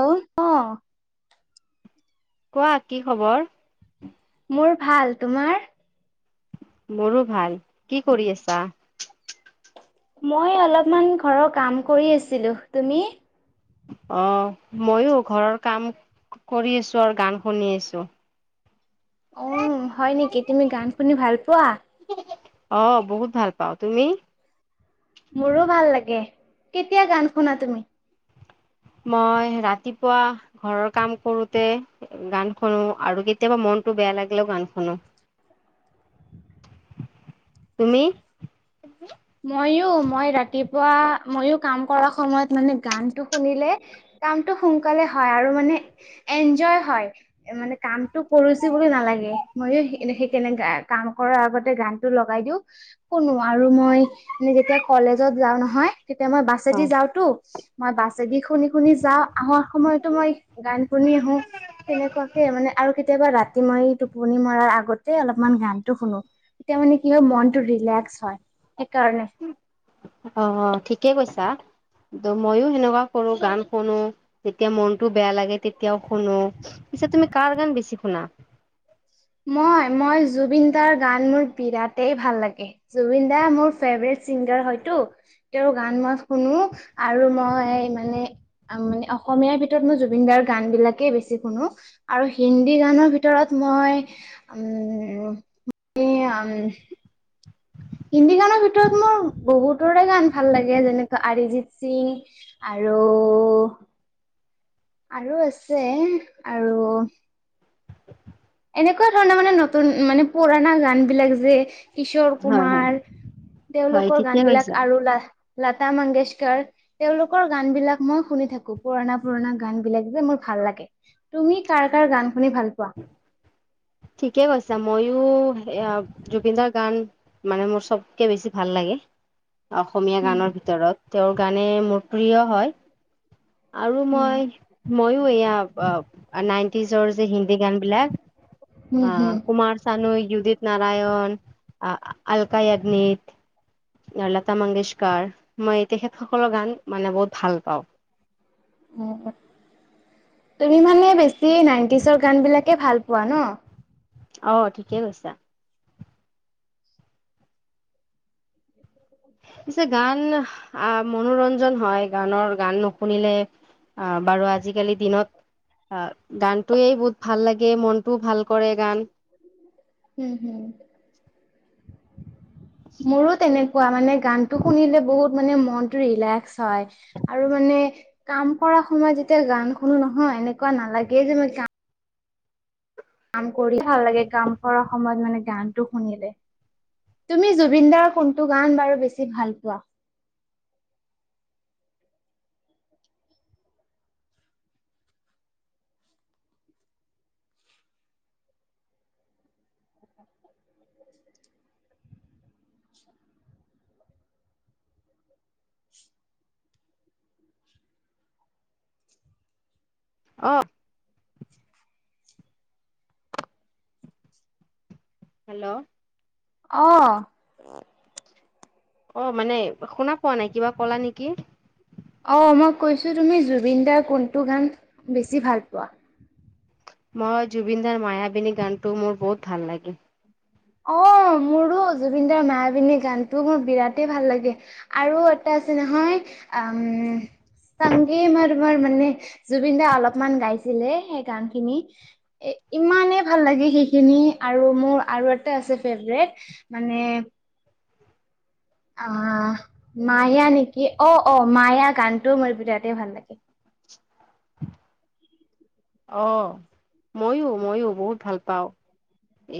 অ অ। কোৱা কি খবৰ? মোৰ ভাল, তোমাৰ? মোৰো ভাল। কি কৰি আছা? মই অলপমান ঘৰৰ কাম কৰি আছিলো। তুমি? অ ময়ো ঘৰৰ কাম কৰি আছো আৰু গান শুনি আছো। উ হয় নেকি তুমি গান শুনি ভাল পোৱা? অ বহুত ভাল পাওঁ, তুমি? মোৰো ভাল লাগে। কেতিয়া গান শুনা তুমি? মই ৰাতিপুৱা ঘৰৰ কাম কৰোতে গান শুনো আৰু কেতিয়াবা মনটো বেয়া লাগিলেও গান শুনো। তুমি? মইও মই ৰাতিপুৱা মই কাম কৰা সময়ত মানে গানটো শুনিলে কামটো সোনকালে হয় আৰু মানে এনজয় হয়। মানে কামটো কৰিছো বুলি নালাগে, ময়ো এ সেই কেনো কাম কৰাৰ আগতে গান টো লগাই দিওঁ শুনো আৰু মই আমি যেতিয়া কলেজত যাও নহয় তেতিয়া মই বাছেদি অ' যাওঁতো মই বাছেদি শুনি শুনি যাওঁ, আহাৰ সময়তো মই গান শুনি আহো। তেনেকুৱাকে মানে আৰু কেতিয়াবা ৰাতি মই টোপনি মৰাৰ আগত অলপমান গানটো শুনো তেতিয়া মানে কি হয় মনটো ৰিলেক্স হয় সেইকাৰণে। অ অ ঠিকেই কৈছা। মইও সেনেকুৱা কৰো গান শুনো, যেতিয়া মনটো বেয়া লাগে তেতিয়াও শুনো, পিছে তুমি কাৰ গান বেছি শুনা? মই মই জুবিন দাৰ গান মোৰ বিৰাটেই ভাল লাগে। জুবিন দা মোৰ ফেভৰেট ছিংগাৰ হয়তো। তেওঁৰ গান মই শুনো আৰু মই মানে মানে অসমীয়াৰ ভিতৰত মই জুবিন দাৰ গান বিলাকেই বেছি শুনো। আৰু হিন্দী গানৰ ভিতৰত মই উম হিন্দী গানৰ ভিতৰত মোৰ বহুতৰে গান ভাল লাগে যেনেকা অৰিজিত সিং আৰু আৰু আছে আৰু এনেকুৱা ধৰণৰ মানে নতুন মানে পুৰাণা গান বিলাক যে কিশোৰ হয় হয় কুমাৰ হয় তেওঁলোকৰ ঠিকে গান বিলাক কৈছা। আৰু লা-লতা মংগেশকাৰ। তেওঁলোকৰ গান বিলাক মই শুনি থাকো, পুৰণা পুৰণা গান বিলাক যে মোৰ ভাল লাগে। তুমি কাৰ কাৰ গান শুনি ভাল পোৱা? [inaudible] ঠিকে কৈছা। মইও এয়া জুবিন দাৰ গান মানে মোৰ চবকে বেছি ভাল লাগে। অসমীয়া উম, গানৰ ভিতৰত তেওঁৰ গানে মোৰ প্ৰিয় হয়। আৰু উম, মই ময়ো এয়া অব নাইণ্টিজৰ যে হিন্দী গানবিলাক উম, অ হুম। কুমাৰ চানু, উদিত নাৰায়ণ, আ-আলকা য়াগনিক এয়া লতা মংগেশকাৰ। মই তেখেত সকলৰ গান মানে বহুত ভাল পাওঁ। অ তুমি মানে বেছি নাইণ্টিজৰ গান বিলাকে ভাল পোৱা ন? অ' ঠিকেই কৈছা। [inaudible] পিছে গান আ' মনোৰঞ্জন হয় গানৰ, গান নুশুনিলে অ' বাৰু আজিকালি দিনত অ' গানটোৱে বহুত ভাল লাগে, মনটোও ভাল কৰে গান হু', হু' মোৰো তেনেকুৱা মানে গানটো শুনিলে বহুত মানে মনটো ৰিলেক্স হয়, আৰু মানে কাম কৰা সময়ত যেতিয়া গান শুনো নহয়, এনেকুৱা নালাগে যে মই কা কাম কৰি ভাল লাগে, কাম কৰা সময়ত মানে গানটো শুনিলে। তুমি জুবিন দাৰ কোনটো গান বাৰু বেছি ভাল পোৱা? অ' হেল্লো অ' অ' মানে শুনা পোৱা নাই, কিবা কলা নেকি? অ' মই কৈছোঁ তুমি জুবিন দাৰ কোনটো গান বেছি ভাল পোৱা? মই জুবিন দাৰ মায়াবিনী গানটো মোৰ বহুত ভাল লাগে। অ' মোৰো জুবিন দাৰ মায়াবিনী গানটো মোৰ বিৰাটেই ভাল লাগে। আৰু এটা আছে নহয়, উম সংগে মাৰমাৰ মানে, জুবিন দাই অলপমান গাইছিলে সেই গান খিনি। এ' ইমানেই ভাল লাগে সেইখিনি আৰু মোৰ আৰু এ টা আছে ফেভৰেট মানে আ' মায়া নেকি, অ', অ' মায়া গানটোও মোৰ বিৰাতে ভাল লাগে। অ' মইয়ো, মইয়ো বহুত ভাল পাওঁ।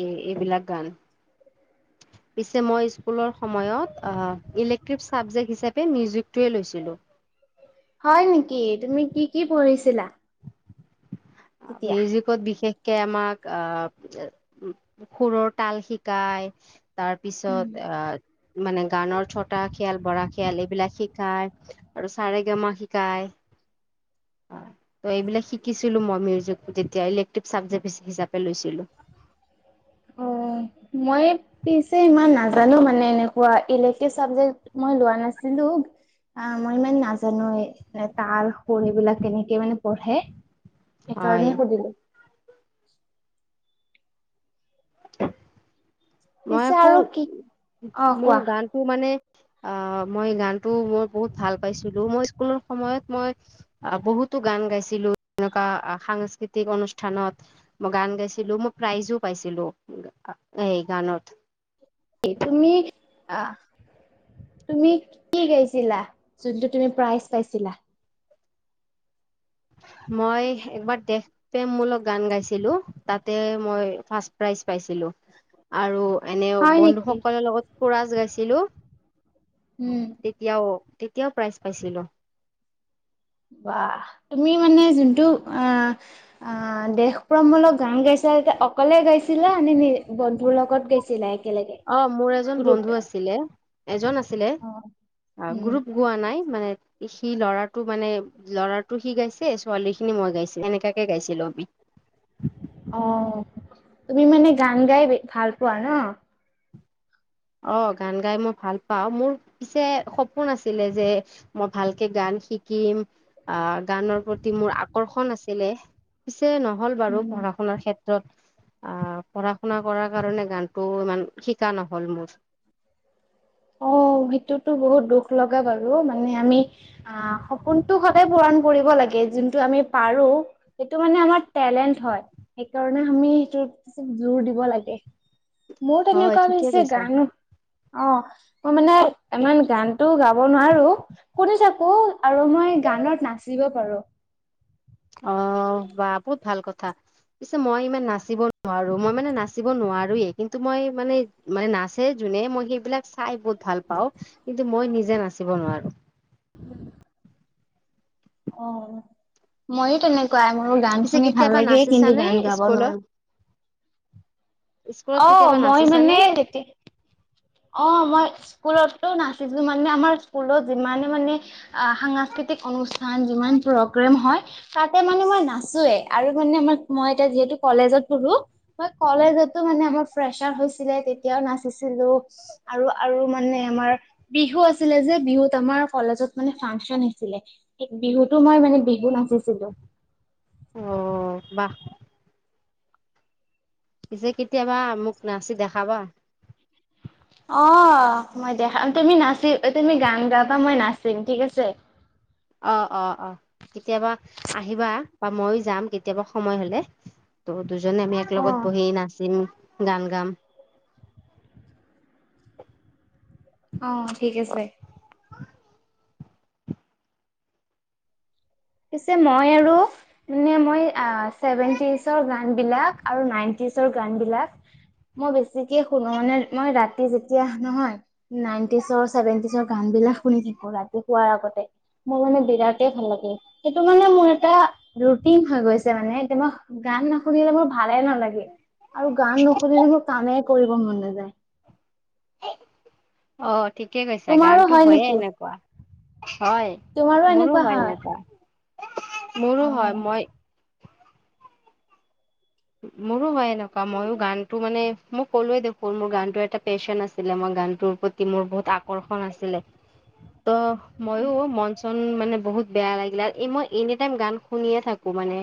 এ' এইবিলাক গান পিছে মই স্কুলৰ সময়ত আ' ইলেক্টিভ চাবজেক্ট হিচাপে মিউজিক টোৱে লৈছিলোঁ। হয় নেকি, তুমি কি, কি পঢ়িছিলা? তেতিয়া? মিউজিক ক'ত বিশেষকৈ আমাক আ' সুৰৰ তাল শিকায় তাৰ উম পিছত আ' মানে গানৰ ছটা খেয়াল, বৰা খেয়াল এইবিলাক শিকায়। আৰু ছা ৰে গা মা শিকায়, আ' ত' এইবিলাক শিকিছিলোঁ মই। মিউজিক তেতিয়া ইলেক্টিভ চাবজেক্ট হি-হিচাপে লৈছিলোঁ। অ', [inaudible] মই এই পিছে ইমান নাজানোঁ মানে এনেকোৱা, ইলেক্টিভ চাবজেক্ট মই লোৱা নাছিলোঁ। আ' মই ইমান নাজানোয়ে মানে তাল, সুৰ এইবিলাক কেনেকে মানে পঢ়ে। হয় সেইকাৰণে সুধিলোঁ। মই পিছে আকৌ আৰু কি অ মোৰ কোৱা গান টো মানে, আ' মই গানটো মই বহুত ভাল পাইছিলোঁ, মই স্কুলৰ সময়ত মই আ' বহুতো গান গাইছিলোঁ তেনেকুৱা সাংস্কৃতিক অনুষ্ঠানত মই গান গাইছিলোঁ, মই প্ৰাইজো পাইছিলোঁ, আ' এই গানত। এ' তুমি আ' তুমি কি গাইছিলা, যোনটো তুমি প্ৰাইজ পাইছিলা? মই এবাৰ দেশ প্ৰেম মূলক গান গাইছিলোঁ, তাতে মই ফাৰ্ষ্ট প্ৰাইজ পাইছিলোঁ। আৰু এনেও হয় নেকি? বন্ধুসকলৰ লগত খুৰাচ গাইছিলোঁ। উম, তেতিয়াও, তেতিয়াও প্ৰাইজ পাইছিলোঁ। বা তুমি মানে যোনটো আহ অ', দেশপমূলক গান গাইছিল অকলে গাইছিলা নে নি বন্ধুৰ লগত গাইছিলা। একেলগে অ', মোৰ এজন গ্ৰুপত? বন্ধু আছিলে, এজন আছিলে, অ', অ', উম, গ্ৰুপ পোৱা নাই মানে সি ল'ৰাটো মানে ল'ৰাটো সি গাইছে ছোৱালীখিনি মই গাইছে এনেকাকে গাইছিলো‍ঁ আমি। অ', তুমি মানে গান গাই ভাল পোৱা ন। অ', গান গাই মই ভাল পাওঁ মোৰ পিছে সপোন আছিলে যে মই ভালকে গান শিকিম আহ গানৰ প্ৰতি মোৰ আকৰ্ষণ আছিলে। পিছে নহ'ল বাৰু উম, পঢ়া শুনা ক্ষে ত্ৰত, আহ পঢ়া শুনা কাৰণে গানটো ইমান শিকা নহ'ল মোৰ। অ', সেইটোতো বহুত দুখ লগা বাৰু মানে আমি আহ সপোনটো সদায় পূৰণ কৰিব লাগে যোনটো আমি পাৰোঁ। সেইটো মানে আমাৰ টেলেণ্ট হয়, সেইকাৰণে আমি সেইটোছ জোৰ দিব লাগে। মোৰ হয় এনেকুৱা ঠিকে হৈছে কৈছা গানো, অ'। মই মানে ইমান গানতো গাব নোৱাৰোঁ। শুনি থাকো আৰু মই গানত নাচিব পাৰোঁ। অ', বা বহুত ভাল কথা। পিছে মই ইমান নাচিব নোৱাৰো, মই মানে নাচিব নোৱাৰোৱে, কিন্তু মই মানে মানে নাচে যোনে মই সেইবিলাক চাই বহুত ভাল পাওঁ, কিন্তু মই নিজে নাচিব নোৱাৰোঁ। [inaudible] অ', মইও তেনেকুৱাই মোৰ গান পিছে শুনি ভাল কেতিয়াবা লাগে কিন্তু নাচিছানে গান গাব স্কুলত নোৱাৰোঁ। স্কুলত অ', কেতিয়াবা মই নাচিছানে মানে অ', মই স্কুলতো নাচিছিলো মানে আমাৰ স্কুলত যিমানে মানে সাংস্কৃতিক অনুষ্ঠান যিমান প্ৰগ্ৰেম হয়। তাতে মানে মই নাচোৱে আৰু মানে আমাৰ মই এতিয়া যিহেঁতু কলেজত পঢ়ো। মই কলেজতো মানে আমাৰ প্ৰেচাৰ হৈছিলে তেতিয়াও নাচিছিলোঁ। আৰু আৰু মানে আমাৰ বিহু আছিলে যে বিহুত আমাৰ কলেজত মানে ফাংচন আছিলে। বিহুতো মই মানে বিহু নাচিছিলোঁ। অ', বাহ। পিছে কেতিয়াবা মোক নাচি দেখাবা। অ', মই দেখান তুমি নাচি, তুমি গান গাব মই নাচিম ঠিক আছে। অ', অ', অ', কেতিয়াবা আহিবা বা ময়ো যাম কেতিয়াবা সময় হ'লে। ত' দুজনে আমি এক লগগত অ' বহি নাচিম, গান গাম। অ', ঠিক আছে। পিছে মই আৰু মোৰ মই চেভেন্তিছৰ গান বিলাক আৰু নাইনতিছৰ গান বিলাক মই বেছিকে শুনো মানে মই ৰাতি যেতিয়া নহয়। নাইনটিজৰ, চেভেন্টিজৰ গান বিলাক শুনি থাকো ৰাতি শোৱাৰ আগতে। মোৰ মানে বিৰাটে ভাল লাগে। সেইটো মানে মোৰ এটা ৰুটিন হৈ গৈছে মানে এতিয়া মই গান নুশুনিলে মোৰ ভালে নালাগে। আৰু গান নুশুনিলে মোৰ কামে কৰিব ম'ন নাযায়। অ', ঠিকে কৈছা তোমাৰো গানতো হয় হয়য়ে নেকি এনেকুৱা। হয় তোমাৰো মোৰো এনেকুৱা হয় এনেুকুৱা, অ মোৰো হয় মই মোৰো হয় এনেকুৱা। মইয়ো গানটো মানে, মোক ক'লোৱে দেখোন, মোৰ গানটোৰ এটা পেশ্বন আছিলে, মই গানটোৰ ওপৰত কি মোৰ, বহুত আকৰ্ষণ আছিলে! ত' মইও মন-চন মানে, বহুত বেয়া লাগিলে! এ, মই এনিটাইম গান শুনিয়ে থাকোঁ। [unintelligible] মানে,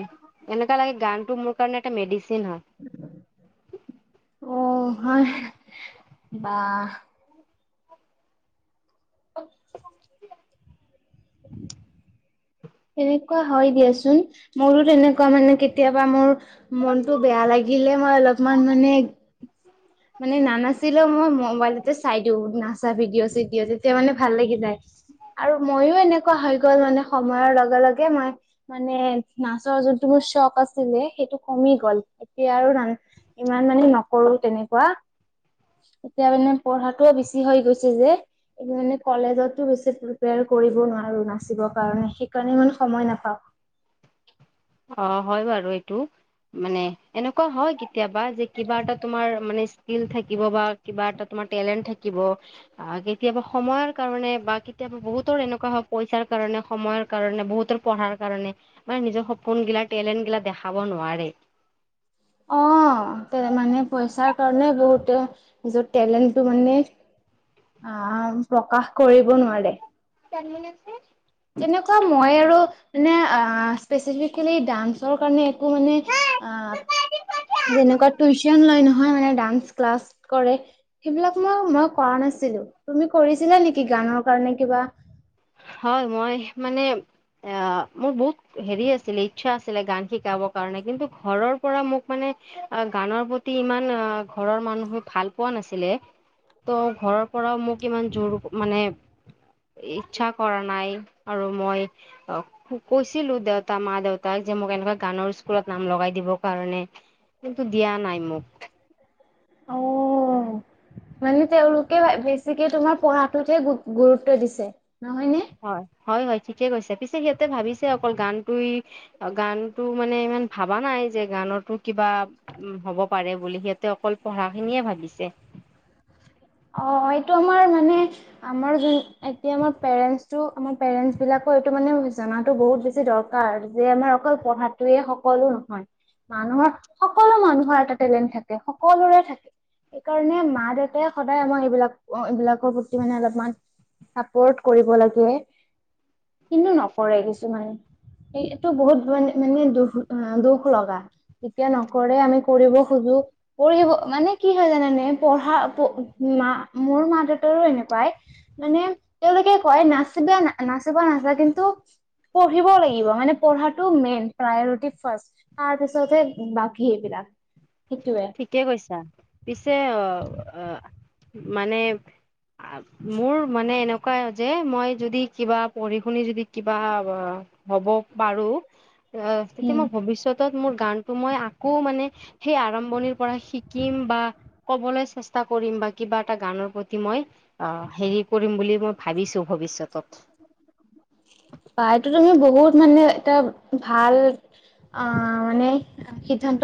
এনেকা লাগে, গান টো মোৰ কাৰণে, এটা মেডিচিন হয়! অ'! হয়। বা! [inaudible] এনেকুৱা হয় দিয়াচোন! মোৰো তেনেকুৱা মানে, কেতিয়াবা মোৰ মনতো বেয়া লাগিলে, মই অলপমান মানে, মানে, নানাচিলেও মই, মোবাইলতে চাই দিওঁ, নাচা ভিডিঅ-চিডিঅ। তেতিয়া মানে, ভাল লাগি যায়! আৰু মইয়ো এনেকুৱা হৈ গ'ল মানে, সময়ৰ লগে- লগে মই মানে, নাচৰ যোনটো মোৰ চখ আছিলে, সেইটো কমি গ'ল। এতিয়া আৰু না ইমান মানে নকৰোঁ, তেনেকুৱা। এতিয়া মানে, পঢ়াটোৱে বেছি হৈ গৈছে যে। [unintelligible] মানে, কলেজতো বেছি প্ৰিপেয়াৰ কৰিব নোৱাৰোঁ, নাচিবৰ কাৰণে। সেইকাৰণে ইমান সময় নাপাওঁ। অ'! হয় বাৰু এইটো। মানে, এনেকুৱা হয় কেতিয়াবা, যে কিবা এটা তোমাৰ মানে, স্কিল থাকিব বা কিবা এটা তোমাৰ টেলেন্ট থাকিব আঁ কেতিয়াবা সময়ৰ কাৰণে বা কেতিয়াবা, বহুতৰ এনেকুৱা হয়, পইচাৰ কাৰণে, সময়ৰ কাৰণে, বহুতৰ পঢ়াৰ কাৰণে, মানে নিজৰ সপোন গিলা, টেলেণ্ট গিলা, দেখাব নোৱাৰে। অ'! তে মানে, পইচাৰ কাৰণে বহুতে নিজৰ টেলেণ্টটো মানে, আঁ প্ৰকাশ কৰিব নোৱাৰে। [unintelligible] তেনেকুৱা মই আৰু মানে, আঁ স্পেচিফিকেলি ডান্সৰ কাৰণে, একো মানে, আঁ যেনেকুৱা টিউচন লয় নহয়, মানে ডান্স ক্লাছ কৰে। সেইবিলাক মই, মই কৰা নাছিলোঁ। তুমি কৰিছিলা নেকি, গানৰ কাৰণে কিবা? হয়! মই মানে, অ'! মোৰ বহুত সেৰি আছিলে, ইচ্ছা আছিলে, গান শিকাব কাৰণে! কিন্তু, ঘৰৰ পৰা মোক মানে, আঁ গানৰ প্ৰতি ইমান আঁ ঘৰৰ মানুহে ভাল পোৱা নাছি ছিলে। ত' ঘৰৰ পৰাও মোক ইমান জোৰ, মানে, ইচ্ছা কৰা নাই। আৰু মই অ' কৈছিলোঁ দেউতা, মা-দেউতাক! যে মোক এনেকুৱা গানৰ স্কুলত নাম লগাই দিবৰ কাৰণে। কিন্তু, দিয়া নাই মোক। অ [inaudible] মানে, তেওঁলোকে বেছিকে তোমাৰ, পঢ়াটোতহে গুৰুত্ব দিছে। নহয় নে? হয়, হয়, হয়! ঠিকে কৈছে। পিছে, সিহঁতে ভাবিছে অকল গানটোই গানটো মানে, ইমান ভাবা নাই যে, গানটো কিবা উম, হ'ব পাৰে বুলি। সিহঁতে অকল পঢ়া খিনিয়ে ভাবিছে। অ'! এইটো আমাৰ মানে, আমাৰ যোন, এতিয়া আমাৰ পেৰেণ্টছটো, আমাৰ পেৰেন্টছ বিলাকো এইটো মানে, জনাতো বহুত বেছি দৰ কাৰ। যে আমাৰ, অকল পঢ়াটোৱে সকলো নহয়। মানুহৰ, সকলো মানুহৰ এটা টেলেণ্ট থাকে, সকলোৰে থাকে। সেইকাৰণে, মা-দেউতায়ে সদায় আমাক এইবিলাক অ'! এইবলাকৰ প্ৰতি মানে অলপমান, চাপৰ্ট কৰিব লাগে। কিন্তু, নকৰে কিছুমানে। এইটো বহুত মানে মানে দুখ দুখ লগা যেতিয়া নকৰে আমি কৰিব খোজো পঢ়িব মানে কি হয় জানানে পঢ়া মা মোৰ মা দেউতাৰো এনেকুৱাই মানে তেওঁলোকে কয় নাচিব না নাচিবা নাযায় কিন্তু পঢ়িব লাগিব মানে পঢ়াটো মেইন প্ৰায়ৰটি ফাৰ্ষ্ট। তাৰপিছতে বাকী এইবিলাক, সেইটোয়ে। ঠিকে কৈছা পিছে অ, মানে মোৰ মানে এনেকুৱাই যে মই যদি কিবা পঢ়ি-শুনি যদি কিবা হ'ব পাৰো অ, তেতিয়া উম মই ভৱিষ্যতত মোৰ গানটো মই আকৌ মানে সেই আৰম্ভণিৰ পৰা শিকিম বা ক'বলৈ চেষ্টা কৰিম বা কিবা এটা গানৰ প্ৰতি মই অ, হেৰি কৰিম বুলি মই ভাবিছোঁ ভৱিষ্যতত। বা, এইটো তুমি বহুত মানে এটা ভাল অ, মানে সিদ্ধান্ত